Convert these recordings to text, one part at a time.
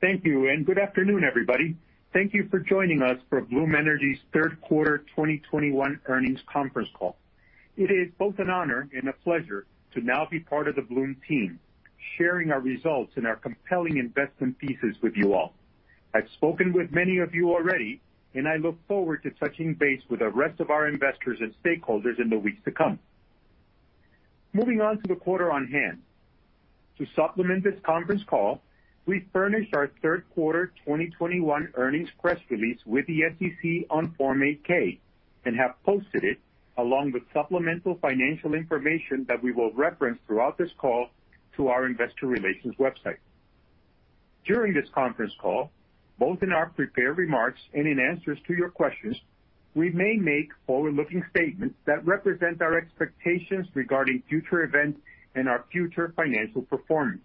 Thank you, and good afternoon, everybody. Thank you for joining us for Bloom Energy's third quarter 2021 earnings conference call. It is both an honor and a pleasure to now be part of the Bloom team, sharing our results and our compelling investment thesis with you all. I've spoken with many of you already, and I look forward to touching base with the rest of our investors and stakeholders in the weeks to come. Moving on to the quarter at hand. To supplement this conference call, we furnished our third quarter 2021 earnings press release with the SEC on Form 8-K and have posted it, along with supplemental financial information that we will reference throughout this call to our investor relations website. During this conference call, both in our prepared remarks and in answers to your questions, we may make forward-looking statements that represent our expectations regarding future events and our future financial performance.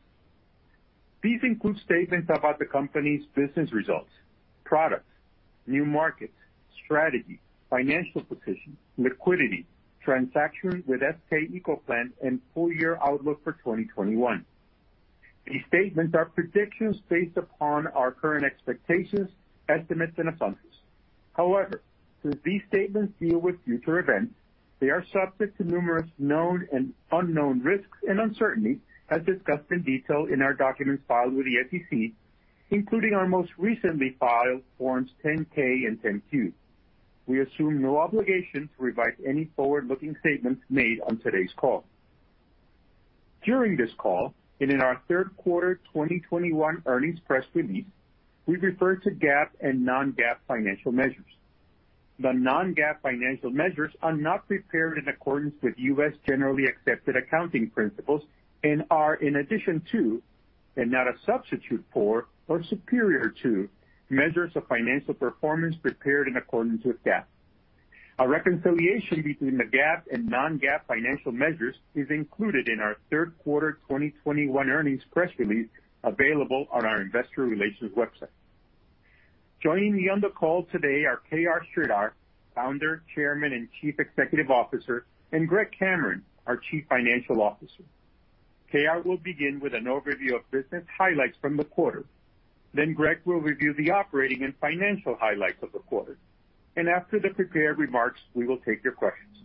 These include statements about the company's business results, products, new markets, strategy, financial position, liquidity, transactions with SK ecoplant, and full-year outlook for 2021. These statements are predictions based upon our current expectations, estimates and assumptions. However, since these statements deal with future events, they are subject to numerous known and unknown risks and uncertainties as discussed in detail in our documents filed with the SEC, including our most recently filed Forms 10-K and 10-Q. We assume no obligation to revise any forward-looking statements made on today's call. During this call and in our third quarter 2021 earnings press release, we refer to GAAP and non-GAAP financial measures. The non-GAAP financial measures are not prepared in accordance with U.S. generally accepted accounting principles and are in addition to, and not a substitute for or superior to, measures of financial performance prepared in accordance with GAAP. A reconciliation between the GAAP and non-GAAP financial measures is included in our third quarter 2021 earnings press release available on our investor relations website. Joining me on the call today are KR Sridhar, Founder, Chairman, and Chief Executive Officer, and Greg Cameron, our Chief Financial Officer. KR will begin with an overview of business highlights from the quarter. Then Greg will review the operating and financial highlights of the quarter. After the prepared remarks, we will take your questions.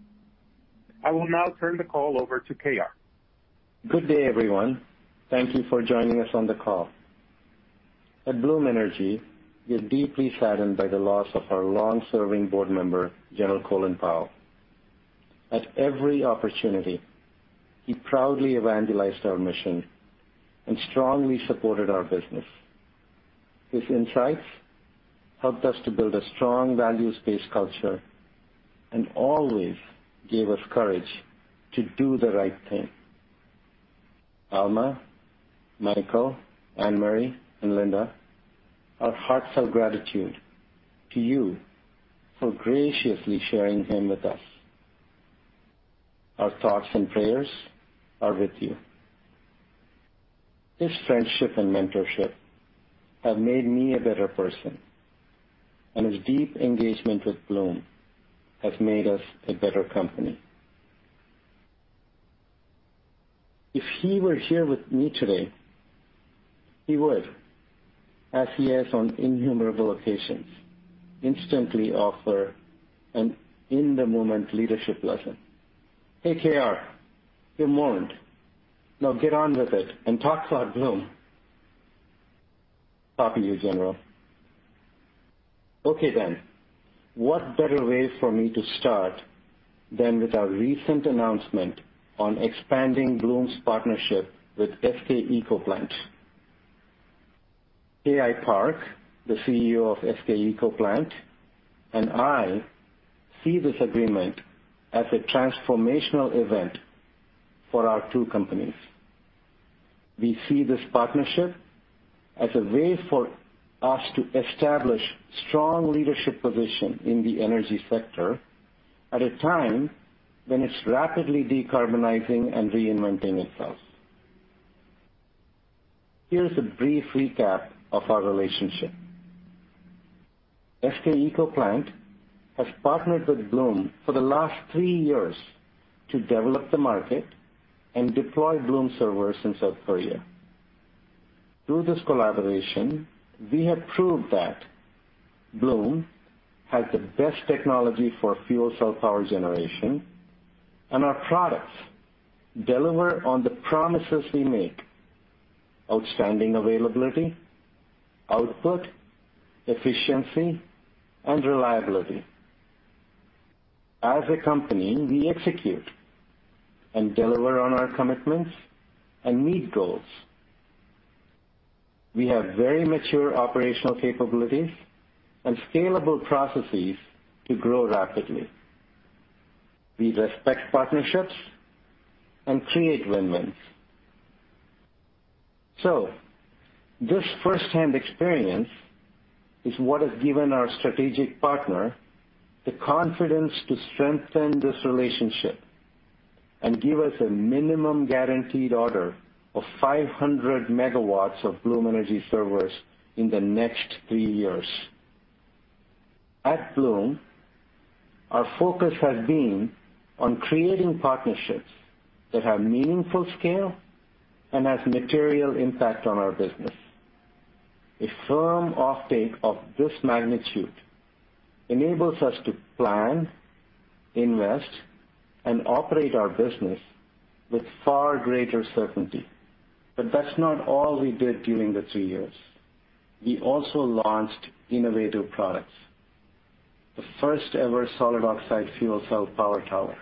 I will now turn the call over to KR. Good day, everyone. Thank you for joining us on the call. At Bloom Energy, we are deeply saddened by the loss of our long-serving board member, General Colin Powell. At every opportunity, he proudly evangelized our mission and strongly supported our business. His insights helped us to build a strong, values-based culture and always gave us courage to do the right thing. Alma, Michael, Annemarie, and Linda, our hearts have gratitude to you for graciously sharing him with us. Our thoughts and prayers are with you. His friendship and mentorship have made me a better person, and his deep engagement with Bloom has made us a better company. If he were here with me today, he would, as he has on innumerable occasions, instantly offer an in-the-moment leadership lesson. "Hey, KR. You mourned. Now get on with it and talk about Bloom." Copy you, General. Okay, then. What better way for me to start than with our recent announcement on expanding Bloom's partnership with SK ecoplant? KI Park, the CEO of SK ecoplant, and I see this agreement as a transformational event for our two companies. We see this partnership as a way for us to establish strong leadership position in the energy sector at a time when it's rapidly decarbonizing and reinventing itself. Here's a brief recap of our relationship. SK ecoplant has partnered with Bloom for the last three years to develop the market and deploy Bloom servers in South Korea. Through this collaboration, we have proved that Bloom has the best technology for fuel cell power generation, and our products deliver on the promises we make: outstanding availability, output, efficiency, and reliability. As a company, we execute and deliver on our commitments and meet goals. We have very mature operational capabilities and scalable processes to grow rapidly. We respect partnerships and create win-wins. This first-hand experience is what has given our strategic partner the confidence to strengthen this relationship and give us a minimum guaranteed order of 500 MW of Bloom Energy Server in the next three years. At Bloom, our focus has been on creating partnerships that have meaningful scale and has material impact on our business. A firm offtake of this magnitude enables us to plan, invest, and operate our business with far greater certainty. That's not all we did during the two years. We also launched innovative products. The first-ever solid oxide fuel cell power tower,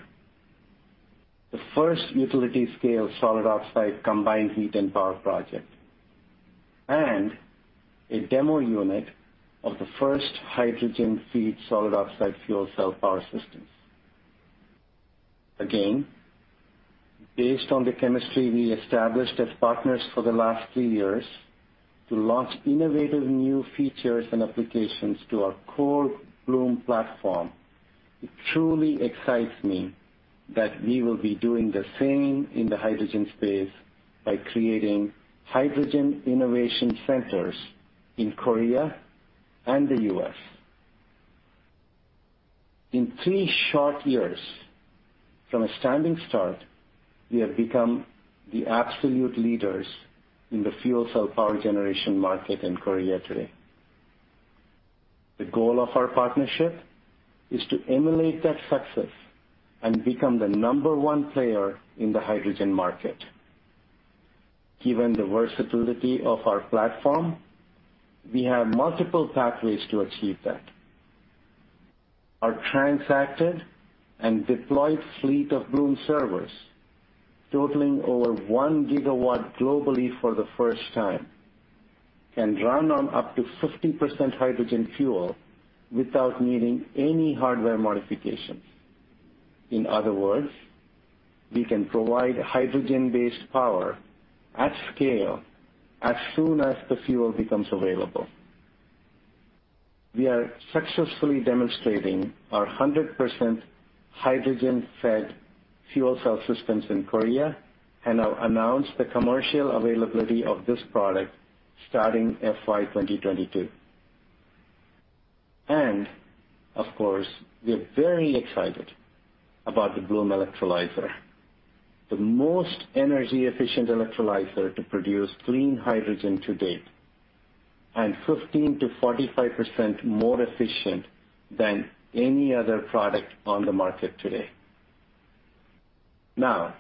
the first utility-scale solid oxide combined heat and power project, and a demo unit of the first hydrogen-fed solid oxide fuel cell power systems. Again, based on the chemistry we established as partners for the last three years to launch innovative new features and applications to our core Bloom platform, it truly excites me that we will be doing the same in the hydrogen space by creating hydrogen innovation centers in Korea and the U.S. In three short years, from a standing start, we have become the absolute leaders in the fuel cell power generation market in Korea today. The goal of our partnership is to emulate that success and become the number one player in the hydrogen market. Given the versatility of our platform, we have multiple pathways to achieve that. Our transacted and deployed fleet of Bloom servers, totaling over 1 GW globally for the first time, can run on up to 50% hydrogen fuel without needing any hardware modifications. In other words, we can provide hydrogen-based power at scale as soon as the fuel becomes available. We are successfully demonstrating our 100% hydrogen-fed fuel cell systems in Korea, and have announced the commercial availability of this product starting FY 2022. Of course, we're very excited about the Bloom Electrolyzer, the most energy-efficient electrolyzer to produce clean hydrogen to date, and 15%-45% more efficient than any other product on the market today. Now,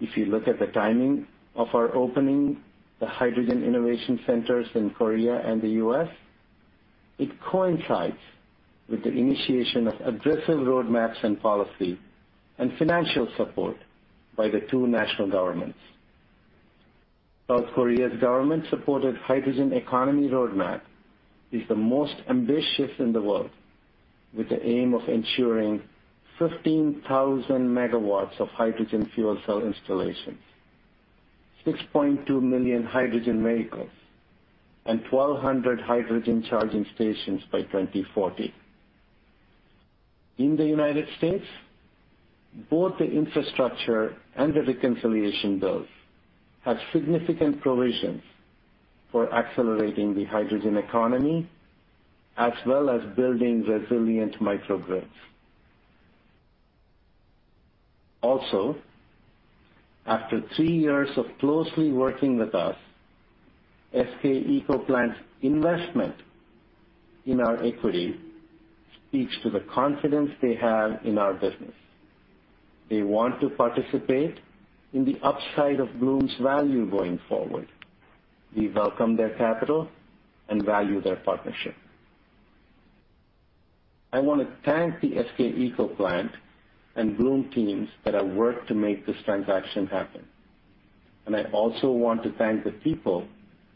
if you look at the timing of our opening the hydrogen innovation centers in Korea and the U.S., it coincides with the initiation of aggressive roadmaps and policy and financial support by the two national governments. South Korea's government-supported hydrogen economy roadmap is the most ambitious in the world, with the aim of ensuring 15,000 MW of hydrogen fuel cell installations, 6.2 million hydrogen vehicles, and 1,200 hydrogen charging stations by 2040. In the United States, both the infrastructure and the reconciliation bills have significant provisions for accelerating the hydrogen economy, as well as building resilient microgrids. Also, after three years of closely working with us, SK ecoplant's investment in our equity speaks to the confidence they have in our business. They want to participate in the upside of Bloom's value going forward. We welcome their capital and value their partnership. I wanna thank the SK ecoplant and Bloom teams that have worked to make this transaction happen. I also want to thank the people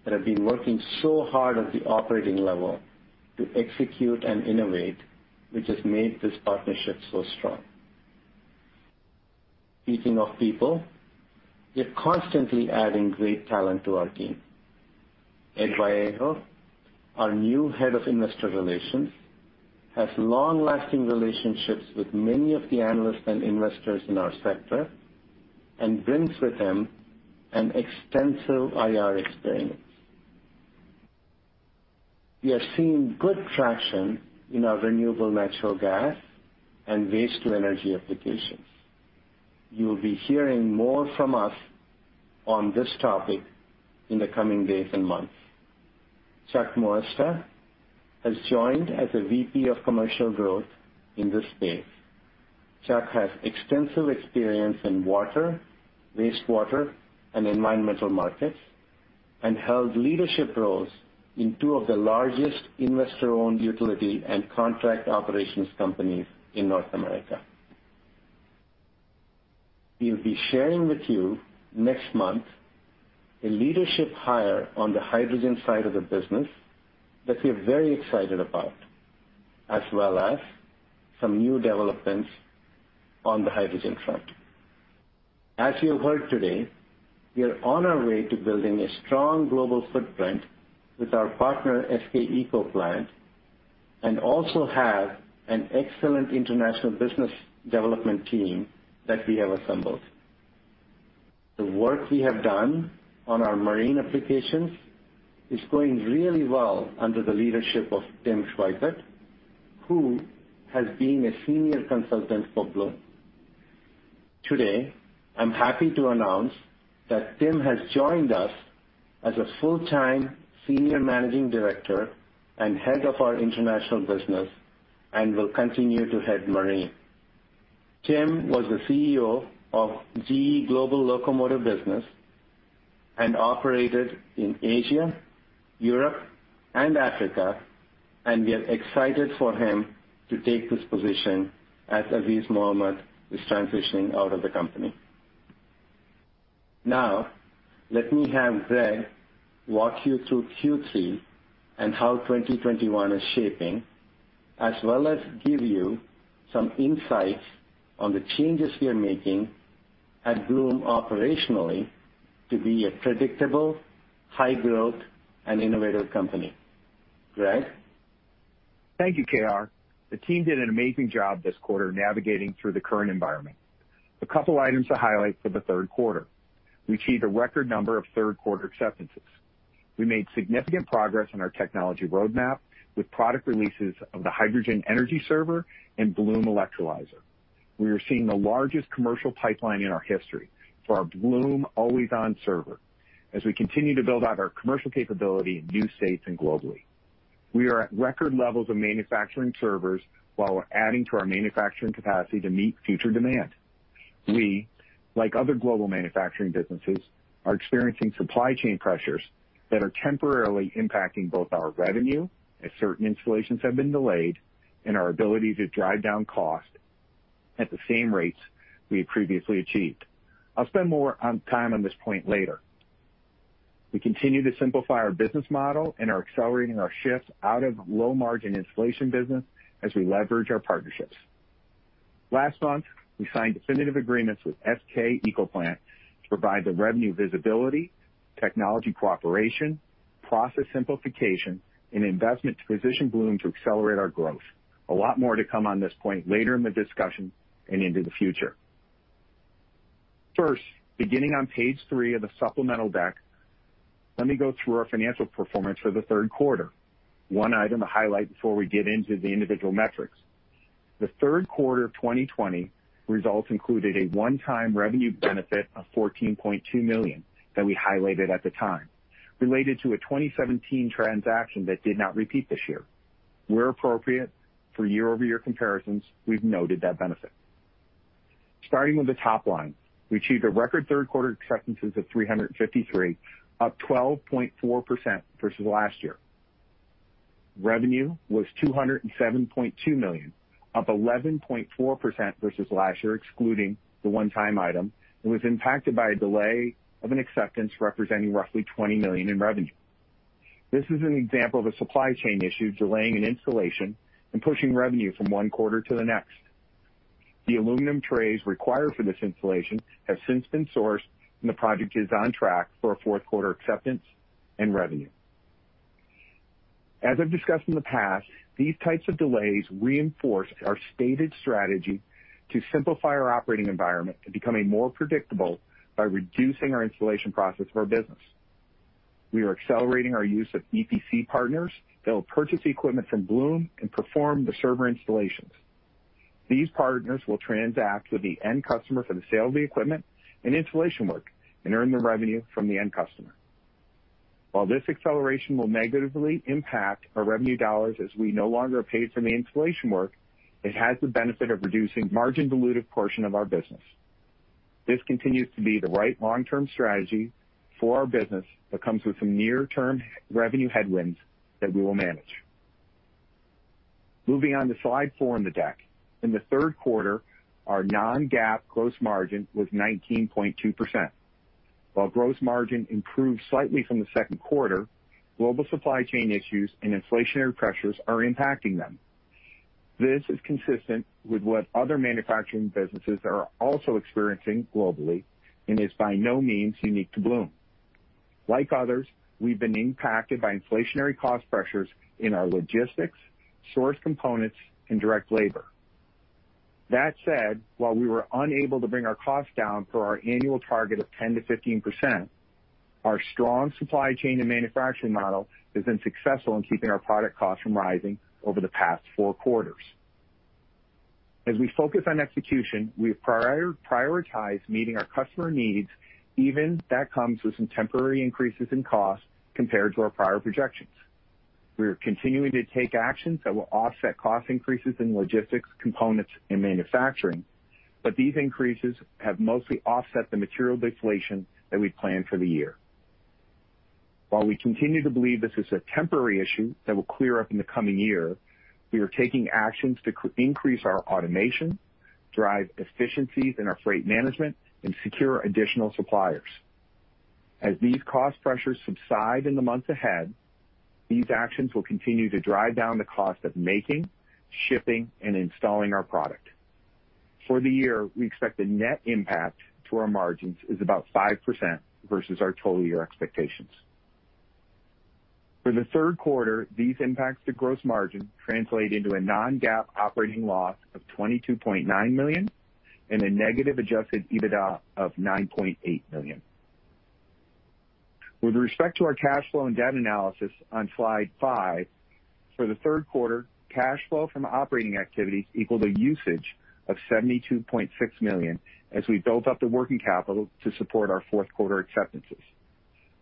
that have been working so hard at the operating level to execute and innovate, which has made this partnership so strong. Speaking of people, we are constantly adding great talent to our team. Ed Vallejo, our new head of investor relations, has long-lasting relationships with many of the analysts and investors in our sector and brings with him an extensive IR experience. We are seeing good traction in our renewable natural gas and waste to energy applications. You'll be hearing more from us on this topic in the coming days and months. Chuck Moesta has joined as a VP of commercial growth in this space. Chuck has extensive experience in water, wastewater, and environmental markets, and held leadership roles in two of the largest investor-owned utility and contract operations companies in North America. We'll be sharing with you next month a leadership hire on the hydrogen side of the business that we're very excited about, as well as some new developments on the hydrogen front. As you have heard today, we are on our way to building a strong global footprint with our partner, SK ecoplant, and also have an excellent international business development team that we have assembled. The work we have done on our marine applications is going really well under the leadership of Tim Schweikert, who has been a senior consultant for Bloom. Today, I'm happy to announce that Tim has joined us as a full-time Senior Managing Director and Head of our International Business and will continue to head marine. Tim was the CEO of GE Global Locomotive business and operated in Asia, Europe, and Africa, and we are excited for him to take this position as Azeez Mohammed is transitioning out of the company. Now, let me have Greg walk you through Q3 and how 2021 is shaping, as well as give you some insights on the changes we are making at Bloom operationally to be a predictable, high-growth, and innovative company. Greg? Thank you, KR. The team did an amazing job this quarter navigating through the current environment. A couple items to highlight for the third quarter. We achieved a record number of third quarter acceptances. We made significant progress on our technology roadmap with product releases of the Hydrogen Energy Server and Bloom Electrolyzer. We are seeing the largest commercial pipeline in our history for our Bloom AlwaysON server as we continue to build out our commercial capability in new states and globally. We are at record levels of manufacturing servers while we're adding to our manufacturing capacity to meet future demand. We, like other global manufacturing businesses, are experiencing supply chain pressures that are temporarily impacting both our revenue, as certain installations have been delayed, and our ability to drive down costs at the same rates we had previously achieved. I'll spend more time on this point later. We continue to simplify our business model and are accelerating our shift out of low-margin installation business as we leverage our partnerships. Last month, we signed definitive agreements with SK ecoplant to provide the revenue visibility, technology cooperation, process simplification, and investment to position Bloom to accelerate our growth. A lot more to come on this point later in the discussion and into the future. First, beginning on page three of the supplemental deck, let me go through our financial performance for the third quarter. One item to highlight before we get into the individual metrics. The third quarter of 2020 results included a one-time revenue benefit of $14.2 million that we highlighted at the time, related to a 2017 transaction that did not repeat this year. Where appropriate, for year-over-year comparisons, we've noted that benefit. Starting with the top line, we achieved a record third quarter acceptances of 353, up 12.4% versus last year. Revenue was $207.2 million, up 11.4% versus last year, excluding the one-time item, and was impacted by a delay of an acceptance representing roughly $20 million in revenue. This is an example of a supply chain issue delaying an installation and pushing revenue from one quarter to the next. The aluminum trays required for this installation have since been sourced, and the project is on track for a fourth-quarter acceptance and revenue. As I've discussed in the past, these types of delays reinforce our stated strategy to simplify our operating environment to becoming more predictable by reducing our installation process of our business. We are accelerating our use of EPC partners that will purchase the equipment from Bloom and perform the server installations. These partners will transact with the end customer for the sale of the equipment and installation work and earn the revenue from the end customer. While this acceleration will negatively impact our revenue dollars as we no longer are paid for the installation work, it has the benefit of reducing margin dilutive portion of our business. This continues to be the right long-term strategy for our business, but comes with some near-term revenue headwinds that we will manage. Moving on to slide four in the deck. In the third quarter, our non-GAAP gross margin was 19.2%. While gross margin improved slightly from the second quarter, global supply chain issues and inflationary pressures are impacting them. This is consistent with what other manufacturing businesses are also experiencing globally and is by no means unique to Bloom. Like others, we've been impacted by inflationary cost pressures in our logistics, sourced components, and direct labor. That said, while we were unable to bring our costs down for our annual target of 10%-15%, our strong supply chain and manufacturing model has been successful in keeping our product costs from rising over the past four quarters. As we focus on execution, we have prioritized meeting our customer needs, even if that comes with some temporary increases in cost compared to our prior projections. We are continuing to take actions that will offset cost increases in logistics, components, and manufacturing, but these increases have mostly offset the material deflation that we'd planned for the year. While we continue to believe this is a temporary issue that will clear up in the coming year, we are taking actions to increase our automation, drive efficiencies in our freight management, and secure additional suppliers. As these cost pressures subside in the months ahead, these actions will continue to drive down the cost of making, shipping, and installing our product. For the year, we expect the net impact to our margins is about 5% versus our total year expectations. For the third quarter, these impacts to gross margin translate into a non-GAAP operating loss of $22.9 million and a negative adjusted EBITDA of $9.8 million. With respect to our cash flow and debt analysis on slide five, for the third quarter, cash flow from operating activities equaled a usage of $72.6 million as we built up the working capital to support our fourth quarter acceptances.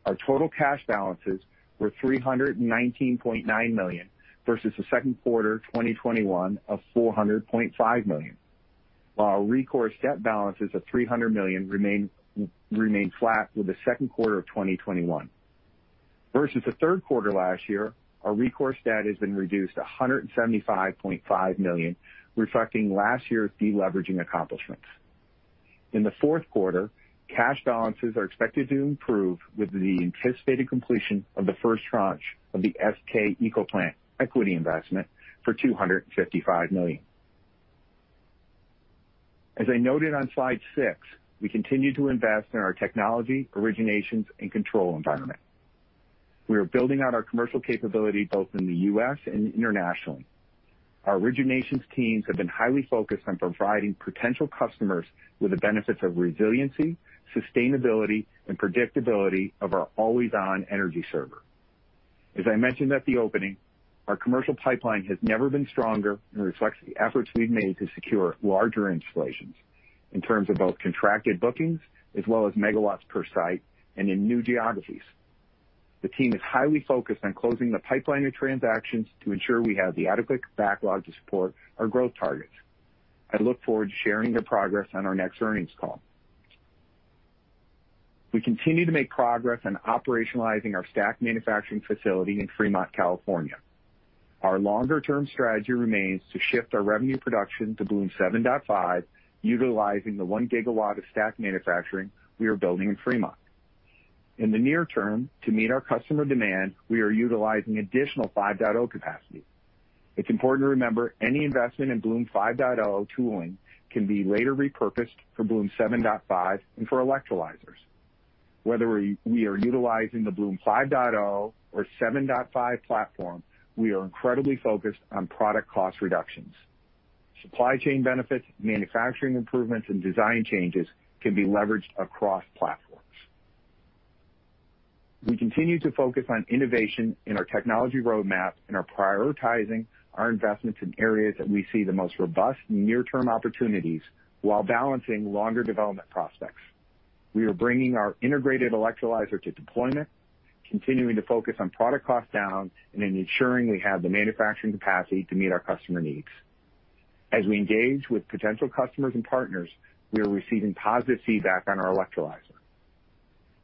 Our total cash balances were $319.9 million versus the second quarter 2021 of $400.5 million, while our recourse debt balances of $300 million remain flat with the second quarter of 2021. Versus the third quarter last year, our recourse debt has been reduced to $175.5 million, reflecting last year's de-leveraging accomplishments. In the fourth quarter, cash balances are expected to improve with the anticipated completion of the first tranche of the SK ecoplant equity investment for $255 million. As I noted on slide six, we continue to invest in our technology, originations, and control environment. We are building out our commercial capability both in the U.S. and internationally. Our originations teams have been highly focused on providing potential customers with the benefits of resiliency, sustainability, and predictability of our AlwaysON Energy Server. As I mentioned at the opening, our commercial pipeline has never been stronger and reflects the efforts we've made to secure larger installations in terms of both contracted bookings as well as megawatts per site and in new geographies. The team is highly focused on closing the pipeline of transactions to ensure we have the adequate backlog to support our growth targets. I look forward to sharing the progress on our next earnings call. We continue to make progress on operationalizing our stack manufacturing facility in Fremont, California. Our longer-term strategy remains to shift our revenue production to Bloom 7.5, utilizing the 1 GW of stack manufacturing we are building in Fremont. In the near term, to meet our customer demand, we are utilizing additional 5.0 capacity. It's important to remember, any investment in Bloom 5.0 tooling can be later repurposed for Bloom 7.5 and for electrolyzers. Whether we are utilizing the Bloom 5.0 or 7.5 platform, we are incredibly focused on product cost reductions. Supply chain benefits, manufacturing improvements, and design changes can be leveraged across platforms. We continue to focus on innovation in our technology roadmap and are prioritizing our investments in areas that we see the most robust near-term opportunities while balancing longer development prospects. We are bringing our integrated electrolyzer to deployment, continuing to focus on product cost down, and in ensuring we have the manufacturing capacity to meet our customer needs. As we engage with potential customers and partners, we are receiving positive feedback on our electrolyzer.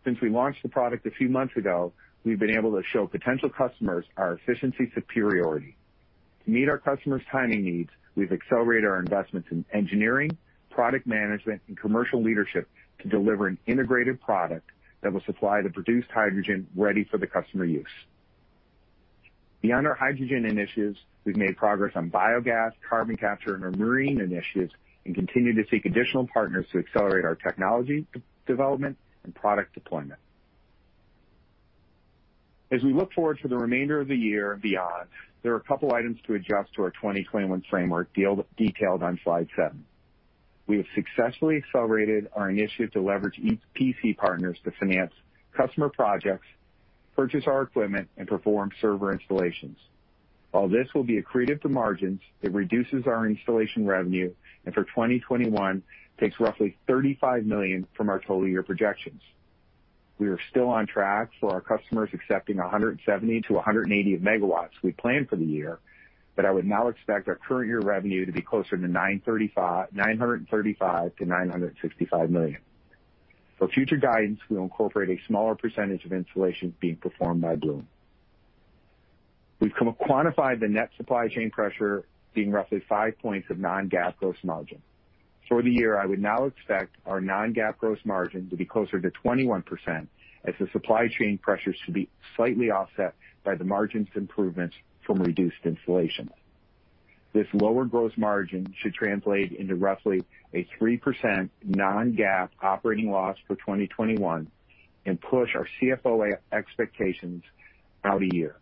Since we launched the product a few months ago, we've been able to show potential customers our efficiency superiority. To meet our customers' timing needs, we've accelerated our investments in engineering, product management, and commercial leadership to deliver an integrated product that will supply the produced hydrogen ready for the customer use. Beyond our hydrogen initiatives, we've made progress on biogas, carbon capture, and our marine initiatives and continue to seek additional partners to accelerate our technology development and product deployment. As we look forward to the remainder of the year and beyond, there are a couple items to adjust to our 2021 framework detailed on slide seven. We have successfully accelerated our initiative to leverage EPC partners to finance customer projects, purchase our equipment, and perform server installations. While this will be accretive to margins, it reduces our installation revenue and for 2021, takes roughly $35 million from our total year projections. We are still on track for our customers accepting 170 MW-180 MW we planned for the year, but I would now expect our current year revenue to be closer to $935 million-$965 million. For future guidance, we'll incorporate a smaller percentage of installations being performed by Bloom. Quantified the net supply chain pressure being roughly 5 points of non-GAAP gross margin. For the year, I would now expect our non-GAAP gross margin to be closer to 21% as the supply chain pressures should be slightly offset by the margins improvements from reduced installations. This lower gross margin should translate into roughly a 3% non-GAAP operating loss for 2021 and push our CFOA expectations out a year.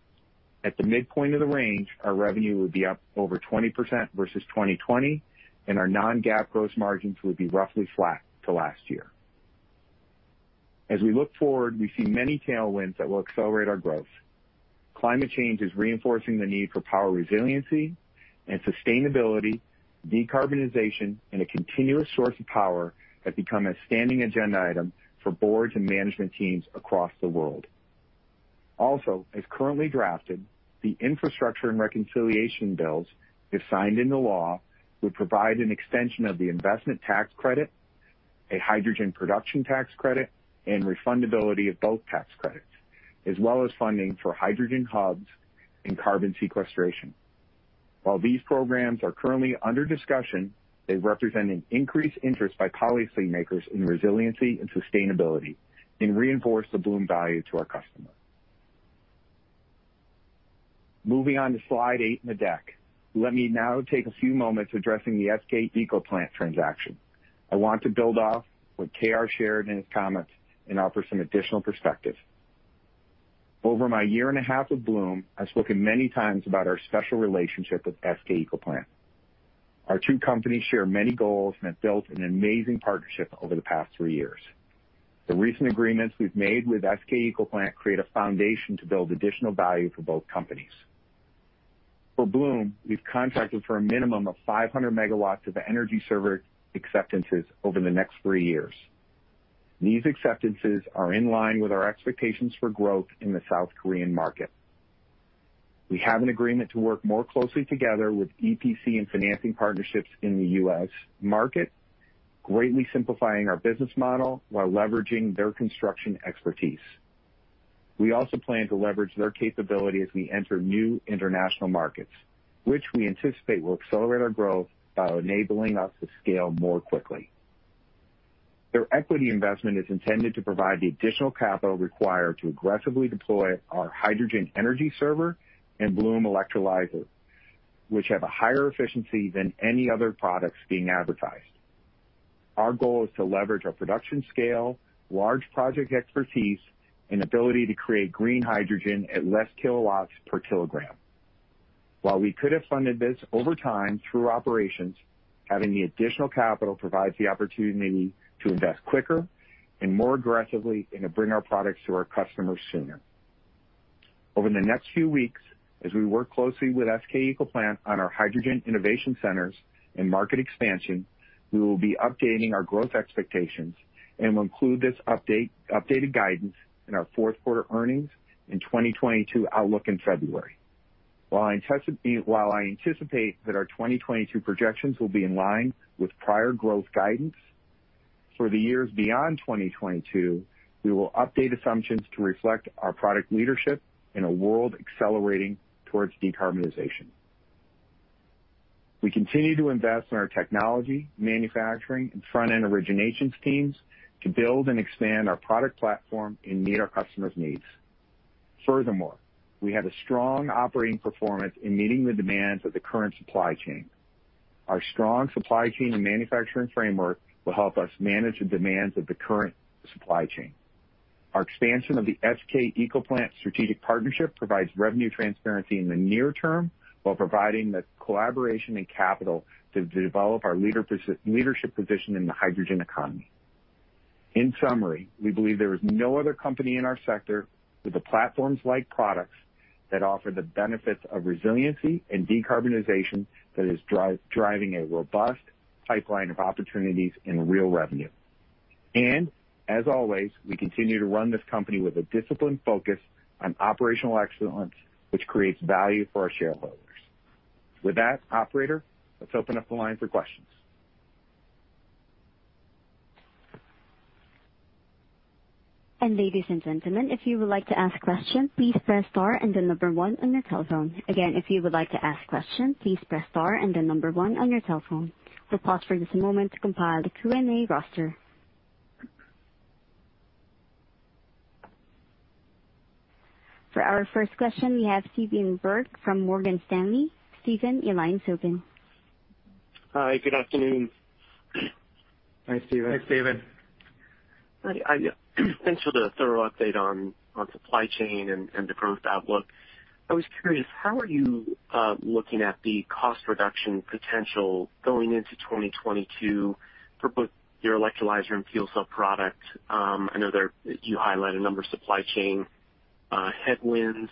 At the midpoint of the range, our revenue would be up over 20% versus 2020, and our non-GAAP gross margins would be roughly flat to last year. As we look forward, we see many tailwinds that will accelerate our growth. Climate change is reinforcing the need for power resiliency and sustainability, decarbonization, and a continuous source of power that become a standing agenda item for boards and management teams across the world. Also, as currently drafted, the infrastructure and reconciliation bills, if signed into law, would provide an extension of the investment tax credit, a hydrogen production tax credit, and refundability of both tax credits, as well as funding for hydrogen hubs and carbon sequestration. While these programs are currently under discussion, they represent an increased interest by policymakers in resiliency and sustainability and reinforce the Bloom value to our customers. Moving on to slide eight in the deck. Let me now take a few moments addressing the SK ecoplant transaction. I want to build off what KR shared in his comments and offer some additional perspective. Over my year and a half of Bloom, I've spoken many times about our special relationship with SK ecoplant. Our two companies share many goals and have built an amazing partnership over the past three years. The recent agreements we've made with SK ecoplant create a foundation to build additional value for both companies. For Bloom, we've contracted for a minimum of 500 MW of Energy Server acceptances over the next three years. These acceptances are in line with our expectations for growth in the South Korean market. We have an agreement to work more closely together with EPC and financing partnerships in the U.S. market, greatly simplifying our business model while leveraging their construction expertise. We also plan to leverage their capability as we enter new international markets, which we anticipate will accelerate our growth by enabling us to scale more quickly. Their equity investment is intended to provide the additional capital required to aggressively deploy our Hydrogen Energy Server and Bloom Electrolyzer, which have a higher efficiency than any other products being advertised. Our goal is to leverage our production scale, large project expertise, and ability to create green hydrogen at less kilowatts per kilogram. While we could have funded this over time through operations, having the additional capital provides the opportunity to invest quicker and more aggressively, and to bring our products to our customers sooner. Over the next few weeks, as we work closely with SK ecoplant on our hydrogen innovation centers and market expansion, we will be updating our growth expectations and will include this update, updated guidance in our fourth quarter earnings and 2022 outlook in February. While I anticipate that our 2022 projections will be in line with prior growth guidance, for the years beyond 2022, we will update assumptions to reflect our product leadership in a world accelerating towards decarbonization. We continue to invest in our technology, manufacturing and front-end originations teams to build and expand our product platform and meet our customers' needs. Furthermore, we have a strong operating performance in meeting the demands of the current supply chain. Our strong supply chain and manufacturing framework will help us manage the demands of the current supply chain. Our expansion of the SK ecoplant strategic partnership provides revenue transparency in the near term while providing the collaboration and capital to develop our leadership position in the hydrogen economy. In summary, we believe there is no other company in our sector with the platforms-like products that offer the benefits of resiliency and decarbonization that is driving a robust pipeline of opportunities and real revenue. As always, we continue to run this company with a disciplined focus on operational excellence, which creates value for our shareholders. With that, operator, let's open up the line for questions. Ladies and gentlemen, if you would like to ask question, please press star and the number one on your telephone. Again, if you would like to ask question, please press star and the number one on your telephone. We'll pause for just a moment to compile the Q&A roster. For our first question, we have Stephen Byrd from Morgan Stanley. Stephen, your line's open. Hi, good afternoon. Hi, Stephen. Thanks, Stephen. I thank for the thorough update on supply chain and the growth outlook. I was curious, how are you looking at the cost reduction potential going into 2022 for both your electrolyzer and fuel cell product? I know that you highlight a number of supply chain headwinds.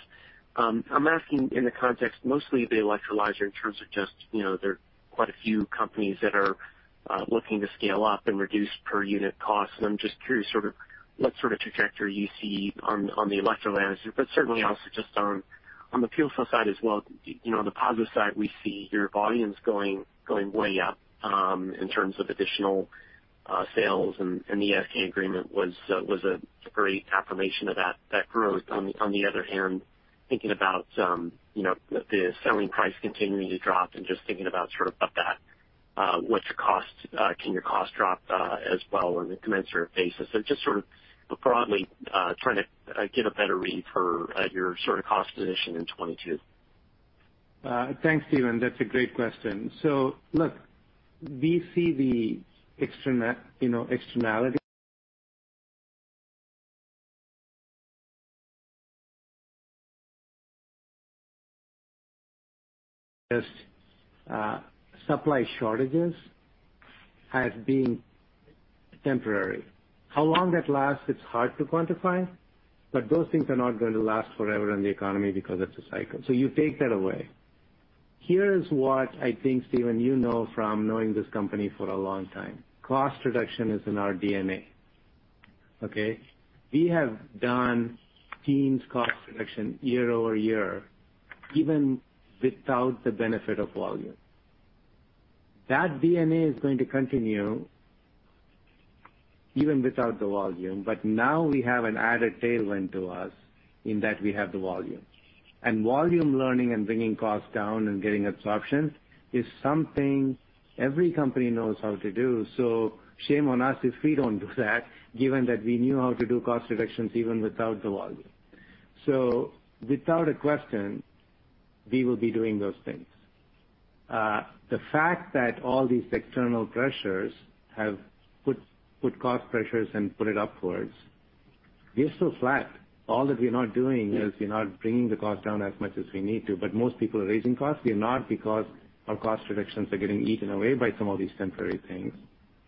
I'm asking in the context mostly of the electrolyzer in terms of just, you know, there are quite a few companies that are looking to scale up and reduce per unit cost. I'm just curious sort of what sort of trajectory you see on the electrolyzer, but certainly also just on the fuel cell side as well. You know, on the positive side, we see your volumes going way up in terms of additional sales, and the SK agreement was a great affirmation of that growth. On the other hand, thinking about the selling price continuing to drop and just thinking about that, what's your cost? Can your cost drop as well on a commensurate basis? Just sort of broadly trying to get a better read for your sort of cost position in 2022. Thanks, Stephen. That's a great question. Look, we see the externality as, you know, supply shortages have been temporary. How long that lasts, it's hard to quantify, but those things are not going to last forever in the economy because it's a cycle. You take that away. Here's what I think, Stephen, you know from knowing this company for a long time. Cost reduction is in our DNA. Okay. We have done tremendous cost reduction year over year, even without the benefit of volume. That DNA is going to continue even without the volume. Now we have an added tailwind to us in that we have the volume. Volume learning and bringing costs down and getting absorption is something every company knows how to do. Shame on us if we don't do that, given that we knew how to do cost reductions even without the volume. Without question, we will be doing those things. The fact that all these external pressures have put cost pressures and put it upwards, we're so flat. All that we're not doing is we're not bringing the cost down as much as we need to. Most people are raising costs. We are not because our cost reductions are getting eaten away by some of these temporary things.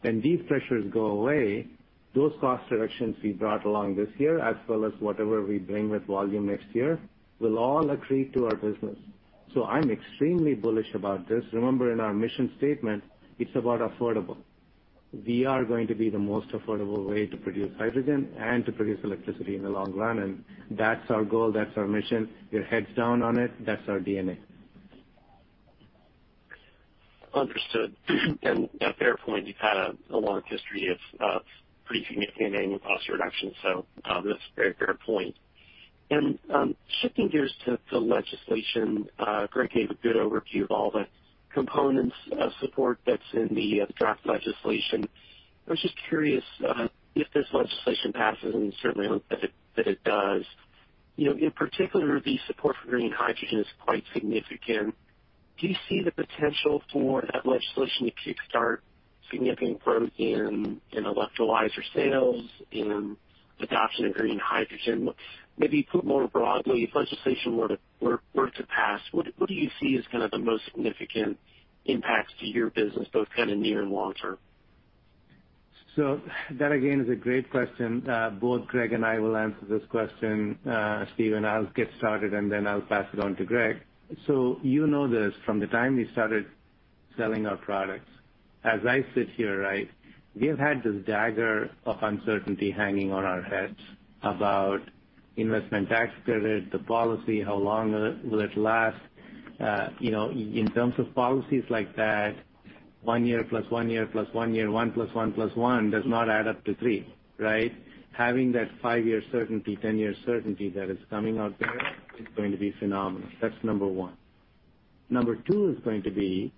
When these pressures go away, those cost reductions we brought along this year, as well as whatever we bring with volume next year, will all accrete to our business. I'm extremely bullish about this. Remember, in our mission statement, it's about affordable. We are going to be the most affordable way to produce hydrogen and to produce electricity in the long run, and that's our goal, that's our mission. We are heads down on it. That's our DNA. Understood. A fair point. You've had a long history of pretty significant annual cost reductions, so that's a very fair point. Shifting gears to legislation, Greg gave a good overview of all the components of support that's in the draft legislation. I was just curious if this legislation passes, and certainly hope that it does, you know, in particular, the support for green hydrogen is quite significant. Do you see the potential for that legislation to kickstart significant growth in electrolyzer sales, in adoption of green hydrogen? Maybe put more broadly, if legislation were to pass, what do you see as kind of the most significant impacts to your business, both kind of near and long term? That again is a great question. Both Greg and I will answer this question, Stephen, and I'll get started, and then I'll pass it on to Greg. You know this. From the time we started selling our products, as I sit here, right, we have had this dagger of uncertainty hanging on our heads about investment tax credit, the policy, how long will it last? You know, in terms of policies like that, one year plus one year plus one year, 1 + 1 + 1 does not add up to three, right? Having that five-year certainty, 10-year certainty that is coming out there is going to be phenomenal. That's number one. Number two is going to be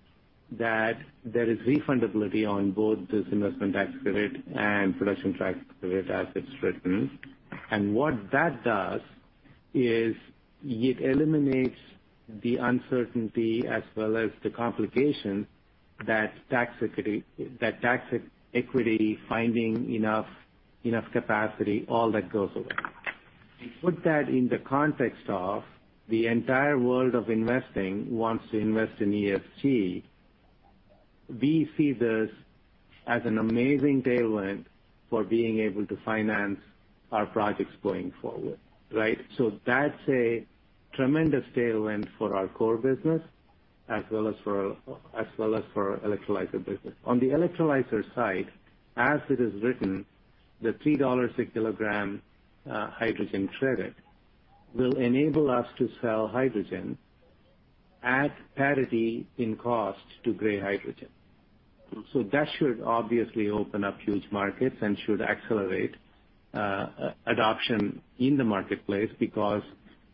that there is refundability on both this investment tax credit and production tax credit as it's written. What that does is it eliminates the uncertainty as well as the complication that tax equity finding enough capacity all that goes away. Put that in the context of the entire world of investing wants to invest in EPC. We see this as an amazing tailwind for being able to finance our projects going forward, right? That's a tremendous tailwind for our core business as well as for electrolyzer business. On the electrolyzer side, as it is written, the $3 a kilogram hydrogen credit will enable us to sell hydrogen at parity in cost to gray hydrogen. That should obviously open up huge markets and should accelerate adoption in the marketplace because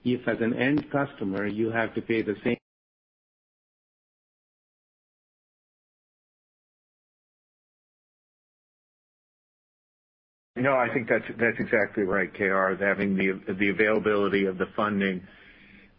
if as an end customer you have to pay the same- No, I think that's exactly right, KR. Having the availability of the funding,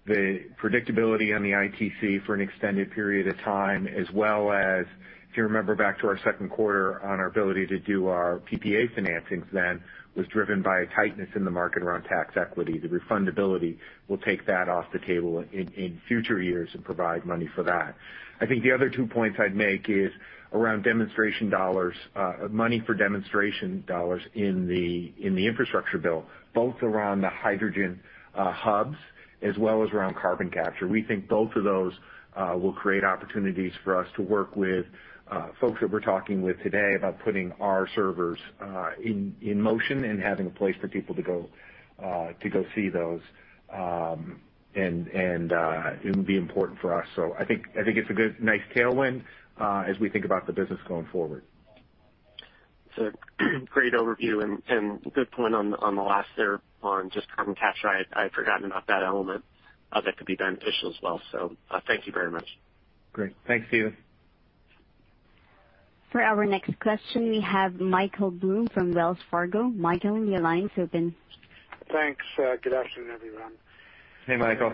the predictability on the ITC for an extended period of time as well as, if you remember back to our second quarter on our ability to do our PPA financings then was driven by a tightness in the market around tax equity. The refundability will take that off the table in future years and provide money for that. I think the other two points I'd make is around demonstration dollars, money for demonstration dollars in the infrastructure bill, both around the hydrogen hubs as well as around carbon capture. We think both of those will create opportunities for us to work with folks that we're talking with today about putting our servers in motion and having a place for people to go to go see those. It would be important for us. I think it's a good, nice tailwind as we think about the business going forward. It's a great overview and good point on the last there on just carbon capture. I'd forgotten about that element that could be beneficial as well. So, thank you very much. Great. Thanks, Steve. For our next question, we have Michael Blum from Wells Fargo. Michael, your line's open. Thanks. Good afternoon, everyone. Hey, Michael.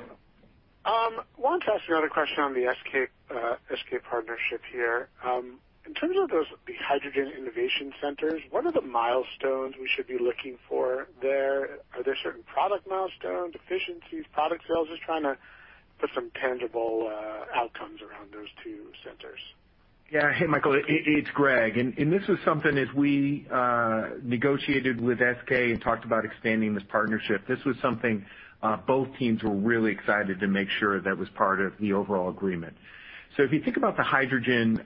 Wanted to ask another question on the SK partnership here. In terms of those, the hydrogen innovation centers, what are the milestones we should be looking for there? Are there certain product milestones, efficiencies, product sales? Just trying to put some tangible outcomes around those two centers. Yeah. Hey, Michael, it's Greg. This is something as we negotiated with SK and talked about expanding this partnership. This was something both teams were really excited to make sure that was part of the overall agreement. If you think about the hydrogen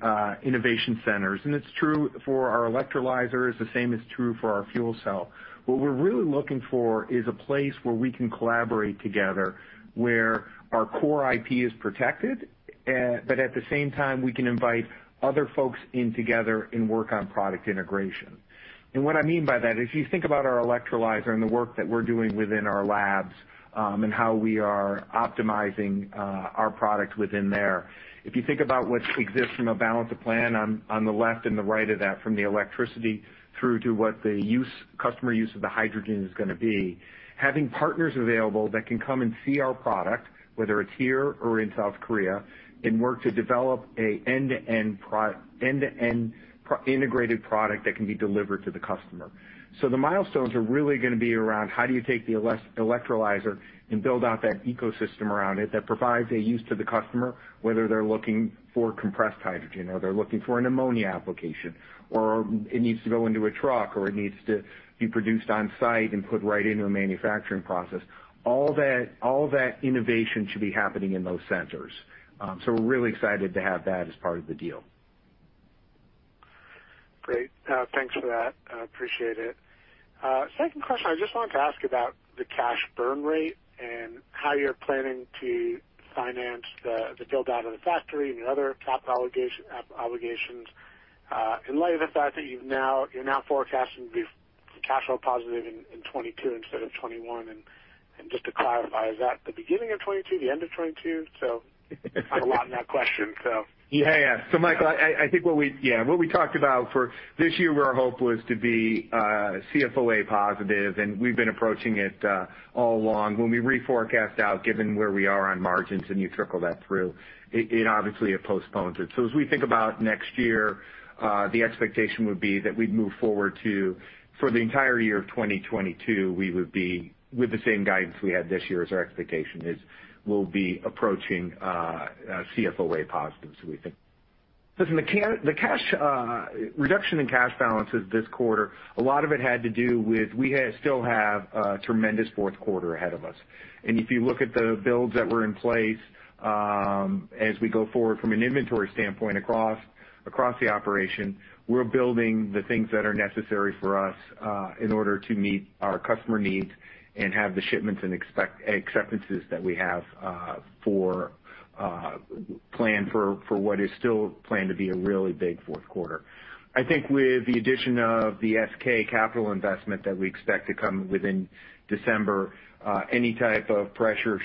innovation centers, and it's true for our electrolyzers, the same is true for our fuel cell, what we're really looking for is a place where we can collaborate together, where our core IP is protected, but at the same time, we can invite other folks in together and work on product integration. What I mean by that, if you think about our electrolyzer and the work that we're doing within our labs, and how we are optimizing our product within there, if you think about what exists from a balance of plant on the left and the right of that, from the electricity through to what the end customer use of the hydrogen is gonna be, having partners available that can come and see our product, whether it's here or in South Korea, and work to develop an end-to-end integrated product that can be delivered to the customer. The milestones are really gonna be around how do you take the electrolyzer and build out that ecosystem around it that provides a use to the customer, whether they're looking for compressed hydrogen or they're looking for an ammonia application, or it needs to go into a truck, or it needs to be produced on site and put right into a manufacturing process. All that innovation should be happening in those centers. We're really excited to have that as part of the deal. Great. Thanks for that. I appreciate it. Second question, I just wanted to ask about the cash burn rate and how you're planning to finance the build out of the factory and your other capital obligations in light of the fact that you're now forecasting to be free cash flow positive in 2022 instead of 2021. Just to clarify, is that the beginning of 2022, the end of 2022? Quite a lot in that question, so. Michael, I think what we talked about for this year, our hope was to be CFOA positive, and we've been approaching it all along. When we reforecast out, given where we are on margins and you trickle that through, it obviously postpones it. As we think about next year, the expectation would be that we'd move forward to, for the entire year of 2022, we would be with the same guidance we had this year as our expectation is we'll be approaching CFOA positive, so we think. Listen, the cash reduction in cash balances this quarter, a lot of it had to do with we still have a tremendous fourth quarter ahead of us. If you look at the builds that were in place, as we go forward from an inventory standpoint across the operation, we're building the things that are necessary for us in order to meet our customer needs and have the shipments and acceptances that we have planned for what is still planned to be a really big fourth quarter. I think with the addition of the SK capital investment that we expect to come within December, any type of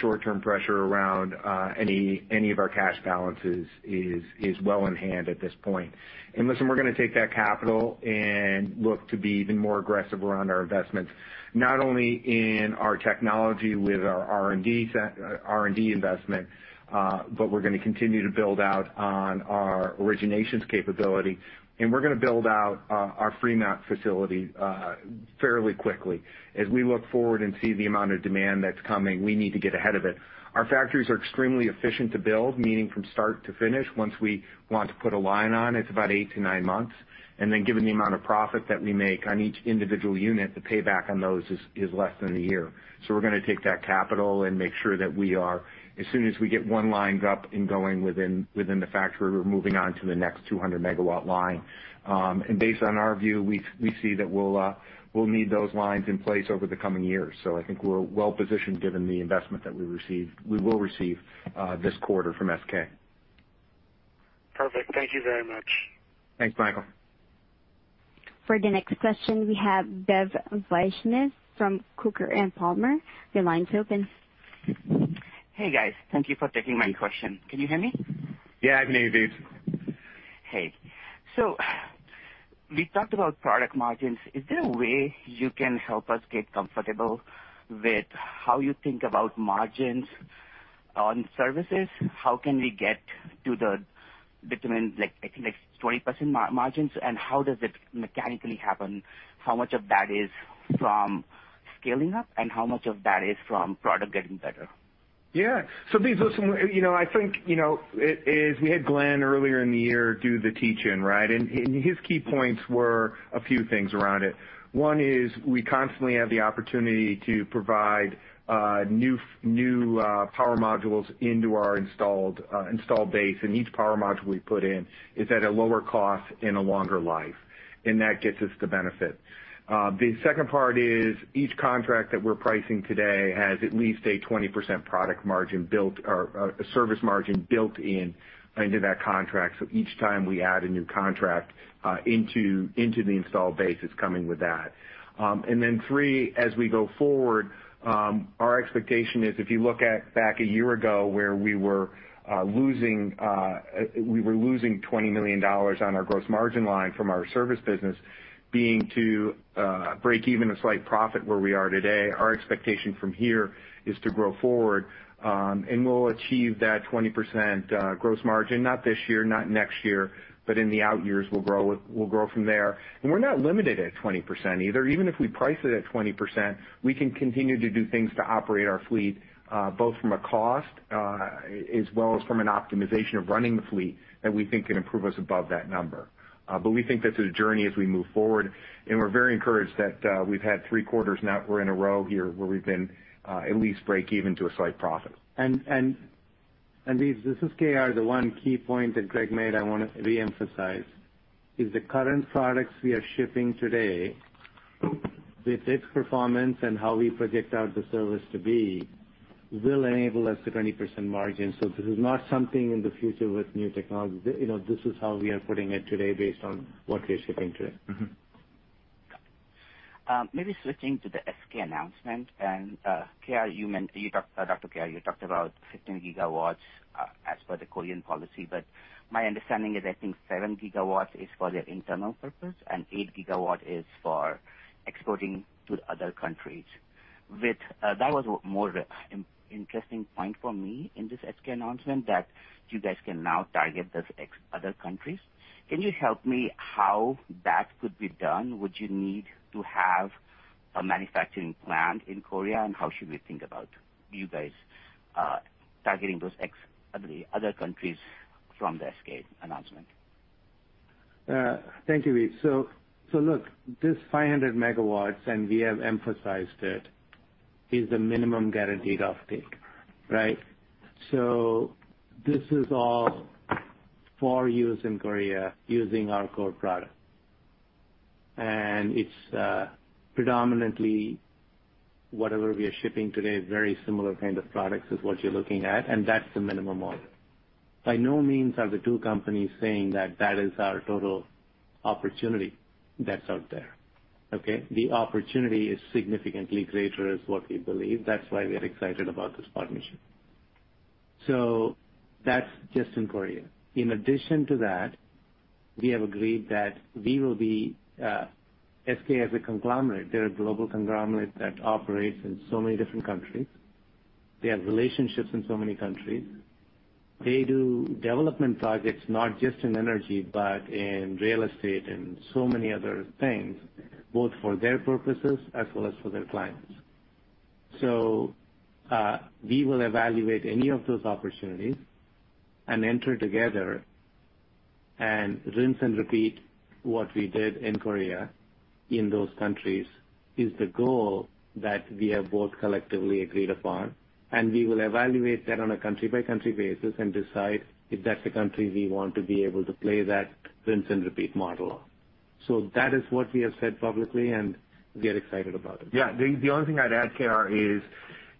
short-term pressure around any of our cash balances is well in hand at this point. Listen, we're gonna take that capital and look to be even more aggressive around our investments, not only in our technology with our R&D investment, but we're gonna continue to build out on our originations capability, and we're gonna build out our Fremont facility fairly quickly. As we look forward and see the amount of demand that's coming, we need to get ahead of it. Our factories are extremely efficient to build, meaning from start to finish. Once we want to put a line on, it's about eight to nine months. Then given the amount of profit that we make on each individual unit, the payback on those is less than a year. We're gonna take that capital and make sure that we are, as soon as we get one lined up and going within the factory, we're moving on to the next 200 MW line. Based on our view, we see that we'll need those lines in place over the coming years. I think we're well-positioned given the investment that we will receive this quarter from SK. Perfect. Thank you very much. Thanks, Michael. For the next question, we have Vebs Vaishnav from Coker & Palmer. Your line's open. Hey, guys. Thank you for taking my question. Can you hear me? Yeah, I can hear you, Vebs. Hey. We talked about product margins. Is there a way you can help us get comfortable with how you think about margins on services? How can we get to between, like, I think, like, 20% margins, and how does it mechanically happen? How much of that is from scaling up and how much of that is from product getting better? Yeah. Vebs, listen, you know, I think, you know, it is, we had Glenn earlier in the year do the teach-in, right? His key points were a few things around it. One is we constantly have the opportunity to provide new power modules into our installed base, and each power module we put in is at a lower cost and a longer life, and that gets us the benefit. The second part is each contract that we're pricing today has at least a 20% product margin built or a service margin built in into that contract. Each time we add a new contract into the installed base, it's coming with that. Three, as we go forward, our expectation is if you look back a year ago where we were losing $20 million on our gross margin line from our service business going to break even to a slight profit where we are today, our expectation from here is to grow forward, and we'll achieve that 20% gross margin, not this year, not next year, but in the out years we'll grow from there. We're not limited at 20% either. Even if we price it at 20%, we can continue to do things to operate our fleet both from a cost as well as from an optimization of running the fleet that we think can improve us above that number. We think this is a journey as we move forward, and we're very encouraged that we've had three quarters now in a row here where we've been at least break-even to a slight profit. Vebs, this is KR. The one key point that Greg made I wanna reemphasize is the current products we are shipping today with its performance and how we project out the service to be will enable us to 20% margin. This is not something in the future with new technology. You know, this is how we are putting it today based on what we are shipping today. Mm-hmm. Maybe switching to the SK announcement. Dr. KR, you talked about 15 GW as per the Korean policy, but my understanding is I think 7 GW is for their internal purpose and 8 GW is for exporting to other countries. That was more interesting point for me in this SK announcement that you guys can now target other countries. Can you help me how that could be done? Would you need to have a manufacturing plant in Korea, and how should we think about you guys targeting those other countries from the SK announcement? Thank you, Vebs. Look, this 500 MW, and we have emphasized it. Is the minimum guaranteed off-take, right? This is all for use in Korea using our core product. It's predominantly whatever we are shipping today is very similar kind of products is what you're looking at, and that's the minimum order. By no means are the two companies saying that that is our total opportunity that's out there, okay? The opportunity is significantly greater is what we believe. That's why we are excited about this partnership. That's just in Korea. In addition to that, we have agreed that we will be SK as a conglomerate. They're a global conglomerate that operates in so many different countries. They have relationships in so many countries. They do development projects, not just in energy, but in real estate and so many other things, both for their purposes as well as for their clients. We will evaluate any of those opportunities and enter together and rinse and repeat what we did in Korea in those countries is the goal that we have both collectively agreed upon. We will evaluate that on a country-by-country basis and decide if that's a country we want to be able to play that rinse and repeat model on. That is what we have said publicly, and we are excited about it. Yeah. The only thing I'd add, KR, is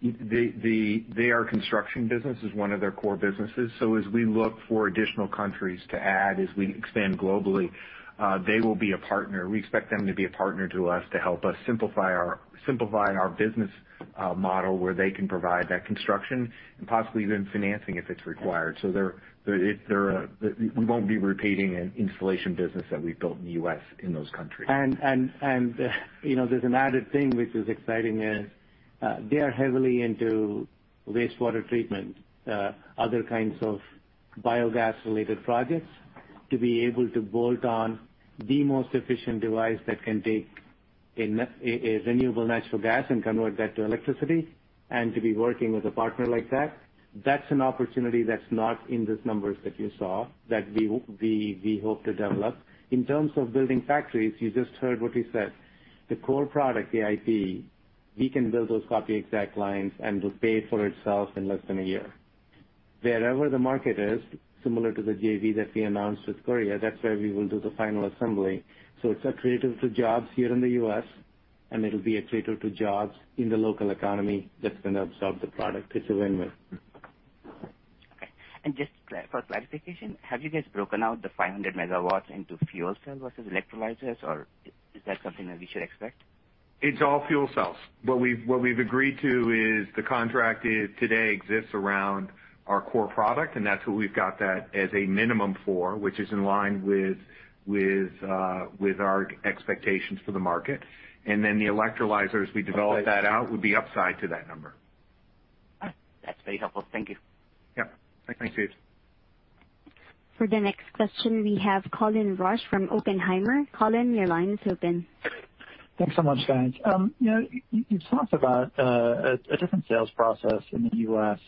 that their construction business is one of their core businesses. As we look for additional countries to add as we expand globally, they will be a partner. We expect them to be a partner to us to help us simplify our business model, where they can provide that construction and possibly even financing if it's required. We won't be repeating an installation business that we've built in the U.S. in those countries. You know, there's an added thing which is exciting. They are heavily into wastewater treatment, other kinds of biogas-related projects. To be able to bolt on the most efficient device that can take a renewable natural gas and convert that to electricity, and to be working with a partner like that's an opportunity that's not in these numbers that you saw, that we hope to develop. In terms of building factories, you just heard what he said. The core product, the IP, we can build those copy-exact lines, and it'll pay for itself in less than a year. Wherever the market is, similar to the JV that we announced with Korea, that's where we will do the final assembly. It's accretive to jobs here in the U.S., and it'll be accretive to jobs in the local economy that's gonna absorb the product. It's a win-win. Okay. Just for clarification, have you guys broken out the 500 MW into fuel cell versus electrolyzers, or is that something that we should expect? It's all fuel cells. What we've agreed to is the contract as it exists today around our core product, and that's what we've got as a minimum for, which is in line with our expectations for the market. The electrolyzers we develop that out would be upside to that number. All right. That's very helpful. Thank you. Yep. Thanks Vebs. For the next question, we have Colin Rusch from Oppenheimer. Colin, your line is open. Thanks so much, guys. You know, you've talked about a different sales process in the U.S.,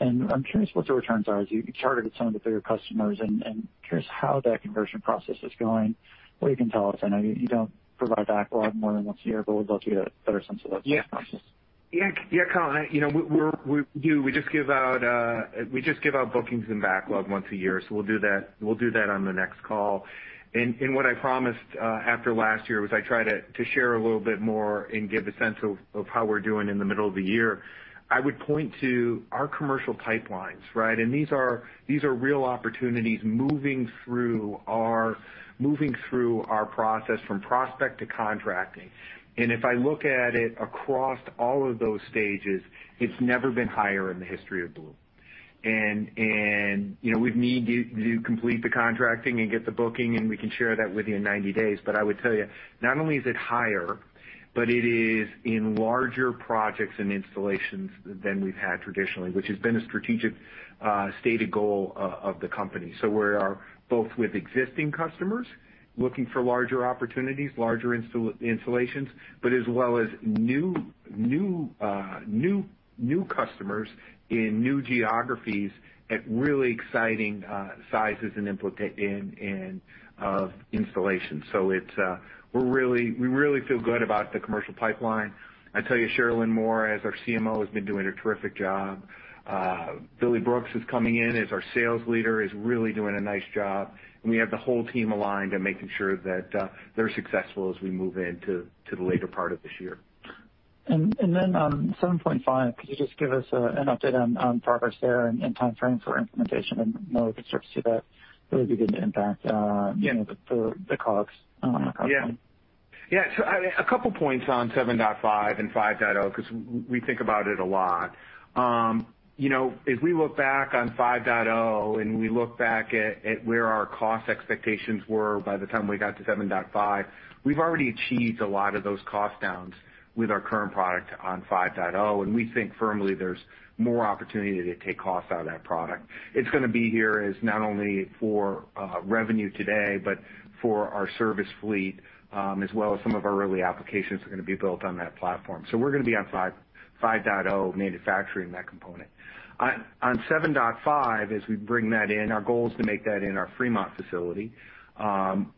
and I'm curious what the returns are as you targeted some of the bigger customers and curious how that conversion process is going, what you can tell us. I know you don't provide backlog more than once a year, but we'd love to get a better sense of that sales process. Yeah. Yeah, Colin, you know, we just give out bookings and backlog once a year, so we'll do that on the next call. What I promised after last year was I'd try to share a little bit more and give a sense of how we're doing in the middle of the year. I would point to our commercial pipelines, right? These are real opportunities moving through our process from prospect to contracting. If I look at it across all of those stages, it's never been higher in the history of Bloom. You know, we'd need you to complete the contracting and get the booking, and we can share that with you in 90 days. I would tell you, not only is it higher, but it is in larger projects and installations than we've had traditionally, which has been a strategic, stated goal of the company. We are both with existing customers looking for larger opportunities, larger installations, but as well as new customers in new geographies at really exciting sizes and installations. We're really feel good about the commercial pipeline. I tell you, Sharelynn Moore, as our CMO, has been doing a terrific job. Billy Brooks, who's coming in as our sales leader, is really doing a nice job. We have the whole team aligned and making sure that they're successful as we move into the later part of this year. On 7.5, could you just give us an update on progress there and time frame for implementation and when we could start to see that really begin to impact, you know, the COGS on our cost point? A couple points on 7.5 and 5.0, 'cause we think about it a lot. You know, as we look back on 5.0 and we look back at where our cost expectations were by the time we got to 7.5. We've already achieved a lot of those cost downs with our current product on 5.0, and we think firmly there's more opportunity to take costs out of that product. It's gonna be here as not only for revenue today, but for our service fleet, as well as some of our early applications are gonna be built on that platform. We're gonna be on 5.0 manufacturing that component. On 7.5, as we bring that in, our goal is to make that in our Fremont facility.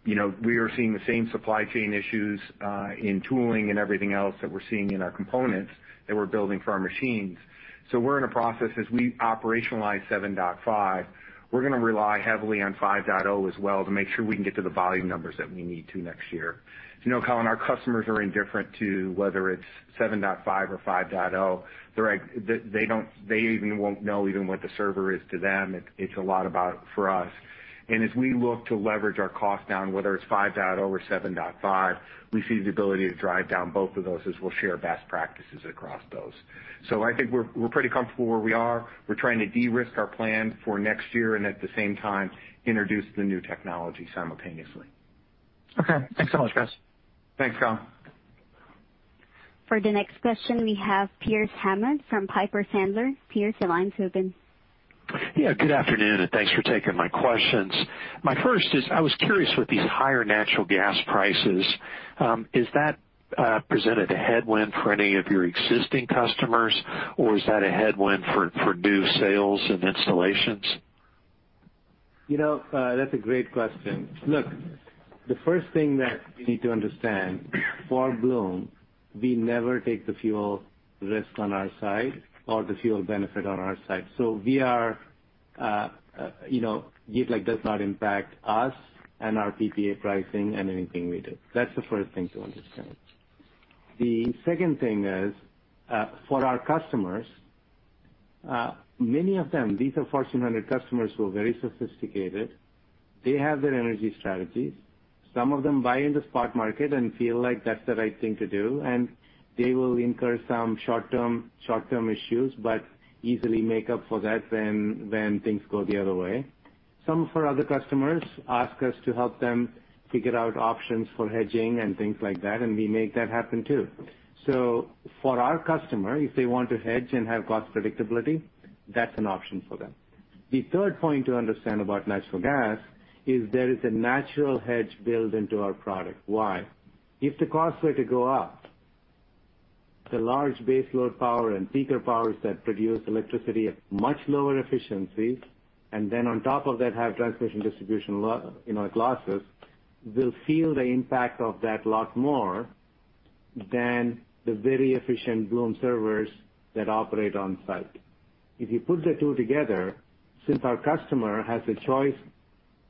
You know, we are seeing the same supply chain issues in tooling and everything else that we're seeing in our components that we're building for our machines. We're in a process, as we operationalize 7.5, we're gonna rely heavily on 5.0 as well to make sure we can get to the volume numbers that we need to next year. You know, Colin, our customers are indifferent to whether it's 7.5 or 5.0. They're like, they don't even know what the server is to them. It's a lot about for us. As we look to leverage our cost down, whether it's 5.0 or 7.5, we see the ability to drive down both of those as we'll share best practices across those. I think we're pretty comfortable where we are. We're trying to de-risk our plan for next year and at the same time introduce the new technology simultaneously. Okay. Thanks so much, guys. Thanks, Colin. For the next question, we have Pearce Hammond from Piper Sandler. Pearce, your line's open. Yeah, good afternoon, and thanks for taking my questions. My first is, I was curious, with these higher natural gas prices, is that presented a headwind for any of your existing customers, or is that a headwind for new sales and installations? You know, that's a great question. Look, the first thing that you need to understand, for Bloom, we never take the fuel risk on our side or the fuel benefit on our side. So we are, you know, it like does not impact us and our PPA pricing and anything we do. That's the first thing to understand. The second thing is, for our customers, many of them, these are Fortune 100 customers who are very sophisticated. They have their energy strategies. Some of them buy in the spot market and feel like that's the right thing to do, and they will incur some short-term issues, but easily make up for that when things go the other way. Some of our other customers ask us to help them figure out options for hedging and things like that, and we make that happen too. For our customer, if they want to hedge and have cost predictability, that's an option for them. The third point to understand about natural gas is there is a natural hedge built into our product. Why? If the costs were to go up, the large base load power and peaker power that produce electricity at much lower efficiency, and then on top of that have transmission distribution, you know, losses, will feel the impact of that a lot more than the very efficient Bloom servers that operate on-site. If you put the two together, since our customer has a choice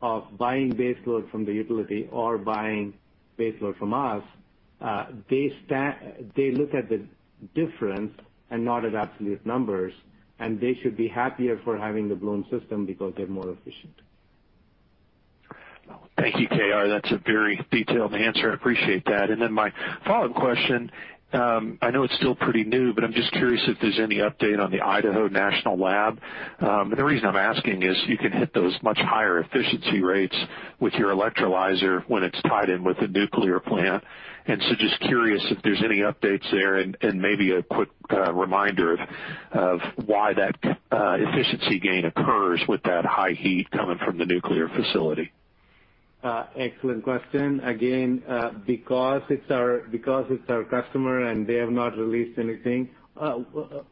of buying base load from the utility or buying base load from us, they look at the difference and not at absolute numbers, and they should be happier for having the Bloom system because they're more efficient. Thank you, KR. That's a very detailed answer. I appreciate that. my follow-up question, I know it's still pretty new, but I'm just curious if there's any update on the Idaho National Laboratory. the reason I'm asking is you can hit those much higher efficiency rates with your electrolyzer when it's tied in with a nuclear plant. just curious if there's any updates there and maybe a quick reminder of why that efficiency gain occurs with that high heat coming from the nuclear facility. Excellent question. Again, because it's our customer and they have not released anything,